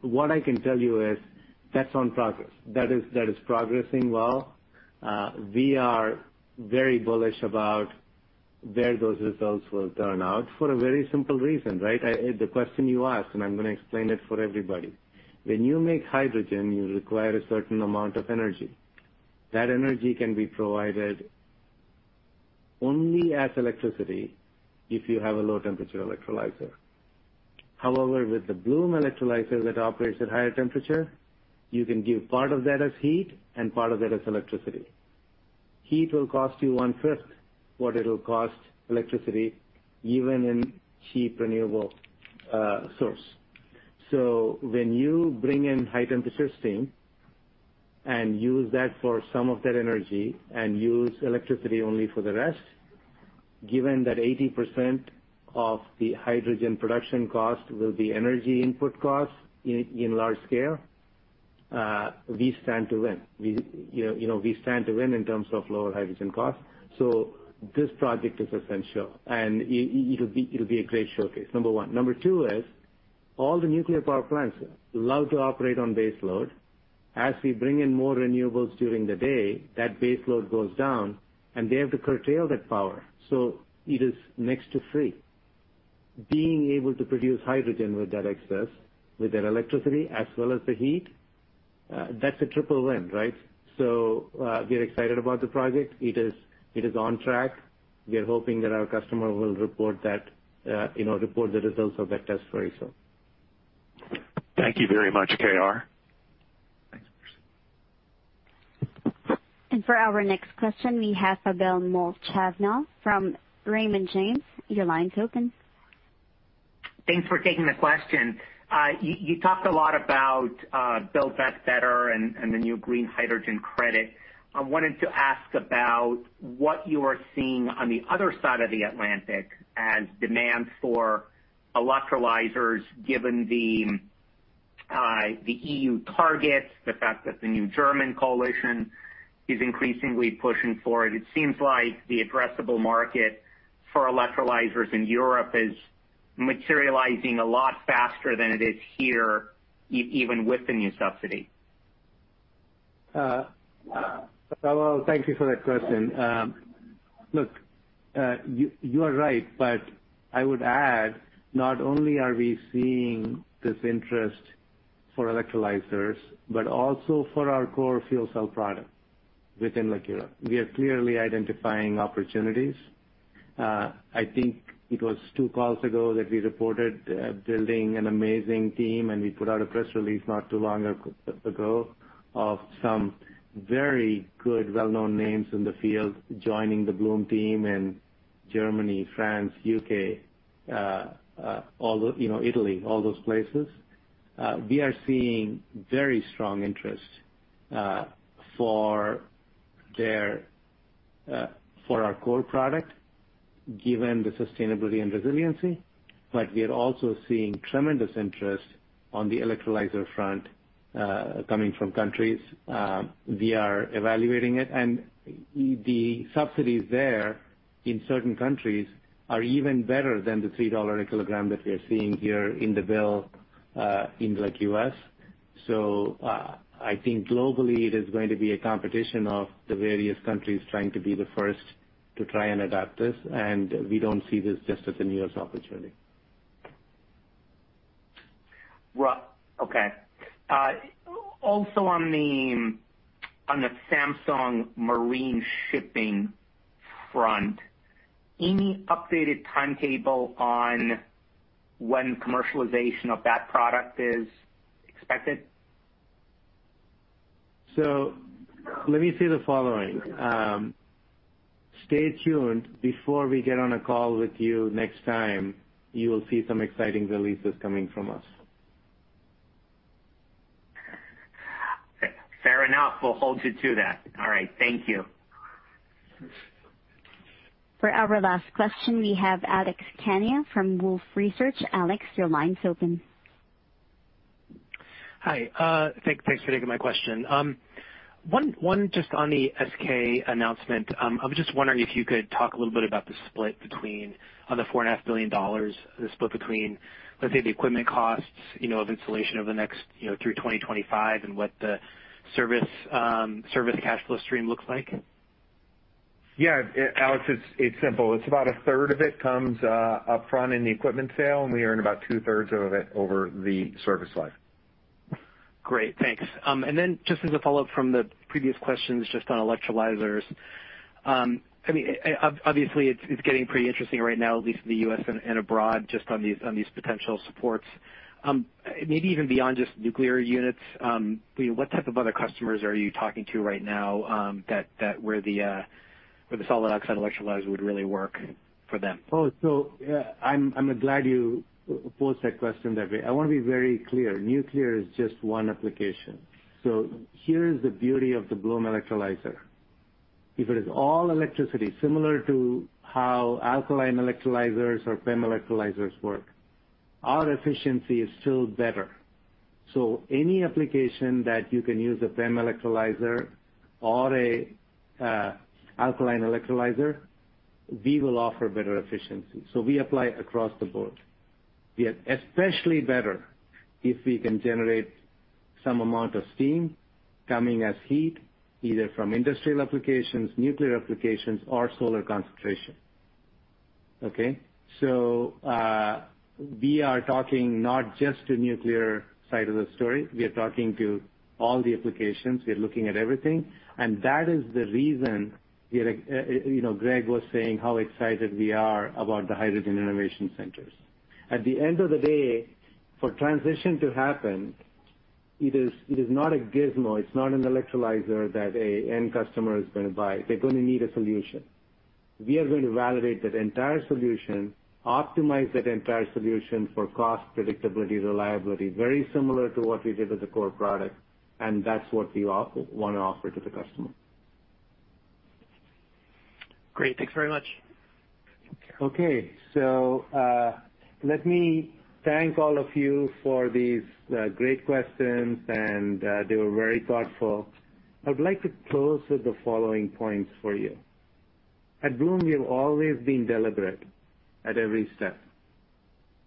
what I can tell you is that's in progress. That is progressing well. We are very bullish about where those results will turn out for a very simple reason, right? The question you asked, and I'm gonna explain it for everybody. When you make hydrogen, you require a certain amount of energy. That energy can be provided only as electricity if you have a low-temperature electrolyzer. However, with the Bloom Electrolyzer that operates at higher temperature, you can give part of that as heat and part of that as electricity. Heat will cost you one-fifth what it'll cost electricity, even in cheap renewable source. When you bring in high-temperature steam and use that for some of that energy and use electricity only for the rest, given that 80% of the hydrogen production cost will be energy input costs in large scale, we stand to win. We, you know, we stand to win in terms of lower hydrogen costs. This project is essential, and it'll be a great showcase, number one. Number two is all the nuclear power plants love to operate on base load. As we bring in more renewables during the day, that base load goes down, and they have to curtail that power, so it is next to free. Being able to produce hydrogen with that excess, with that electricity as well as the heat, that's a triple win, right? We are excited about the project. It is on track. We are hoping that our customer will report the results of that test very soon. Thank you very much, KR. Thanks, Pearce. For our next question, we have Pavel Molchanov from Raymond James. Your line's open. Thanks for taking the question. You talked a lot about Build Back Better and the new green hydrogen credit. I wanted to ask about what you are seeing on the other side of the Atlantic as demand for electrolyzers, given the EU targets, the fact that the new German coalition is increasingly pushing for it. It seems like the addressable market for electrolyzers in Europe is materializing a lot faster than it is here even with the new subsidy. Thank you for that question. Look, you are right, but I would add, not only are we seeing this interest for electrolyzers, but also for our core fuel cell product within like Europe. We are clearly identifying opportunities. I think it was two calls ago that we reported building an amazing team, and we put out a press release not too long ago of some very good well-known names in the field joining the Bloom team in Germany, France, U.K., you know, Italy, all those places. We are seeing very strong interest for our core product, given the sustainability and resiliency. We are also seeing tremendous interest on the electrolyzer front coming from countries they are evaluating it. The subsidies there in certain countries are even better than the $3 a kilogram that we are seeing here in the bill, in U.S. I think globally it is going to be a competition of the various countries trying to be the first to try and adapt this, and we don't see this just as a U.S. opportunity. Well, okay. Also on the Samsung marine shipping front, any updated timetable on when commercialization of that product is expected? Let me say the following. Stay tuned before we get on a call with you next time, you will see some exciting releases coming from us. Okay. Fair enough. We'll hold you to that. All right. Thank you. For our last question, we have Alex Kania from Wolfe Research. Alex, your line's open. Hi, thanks for taking my question. One just on the SK announcement. I was just wondering if you could talk a little bit about the split between, on the $4.5 billion, let's say, the equipment costs, you know, of installation over the next, you know, through 2025 and what the service cash flow stream looks like. Yeah. Alex, it's simple. It's about a third of it comes upfront in the equipment sale, and we earn about 2/3 Of it over the service life. Great. Thanks. Just as a follow-up from the previous questions, just on electrolyzers. I mean, obviously it's getting pretty interesting right now, at least in the U.S. and abroad, just on these potential supports. Maybe even beyond just nuclear units, you know, what type of other customers are you talking to right now, that where the solid oxide electrolyzers would really work for them? I'm glad you posed that question that way. I wanna be very clear. Nuclear is just one application. Here is the beauty of the Bloom Electrolyzer. If it is all electricity, similar to how alkaline electrolyzers or PEM electrolyzers work, our efficiency is still better. Any application that you can use a PEM electrolyzer or a alkaline electrolyzer, we will offer better efficiency. We apply across the board. We are especially better if we can generate some amount of steam coming as heat, either from industrial applications, nuclear applications or solar concentration. Okay. We are talking not just the nuclear side of the story, we are talking to all the applications. We are looking at everything. That is the reason we are, you know, Greg was saying how excited we are about the hydrogen innovation centers. At the end of the day, for transition to happen, it is not a gizmo. It's not an electrolyzer that an end customer is gonna buy. They're gonna need a solution. We are going to validate that entire solution, optimize that entire solution for cost, predictability, reliability, very similar to what we did with the core product, and that's what we offer, wanna offer to the customer. Great. Thanks very much. Okay. Let me thank all of you for these great questions, and they were very thoughtful. I'd like to close with the following points for you. At Bloom, we have always been deliberate at every step,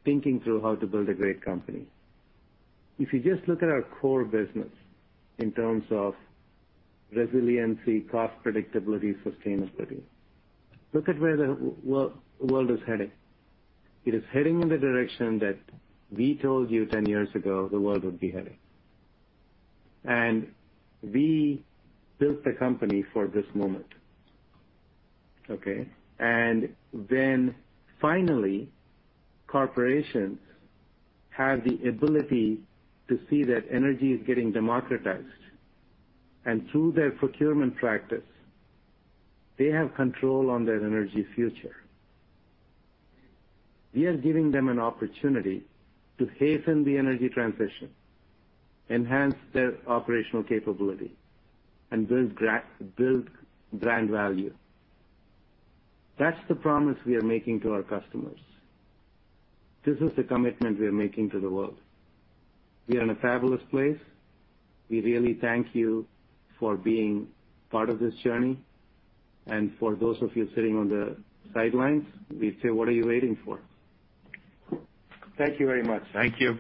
thinking through how to build a great company. If you just look at our core business in terms of resiliency, cost predictability, sustainability, look at where the world is headed. It is heading in the direction that we told you 10 years ago the world would be heading. We built the company for this moment. Okay? Then finally, corporations have the ability to see that energy is getting democratized. Through their procurement practice, they have control on their energy future. We are giving them an opportunity to hasten the energy transition, enhance their operational capability, and build brand value. That's the promise we are making to our customers. This is the commitment we are making to the world. We are in a fabulous place. We really thank you for being part of this journey. For those of you sitting on the sidelines, we say, "What are you waiting for?" Thank you very much. Thank you.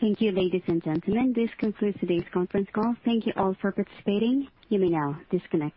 Thank you, ladies and gentlemen. This concludes today's conference call. Thank you all for participating. You may now disconnect.